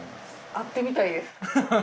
会ってみたいです。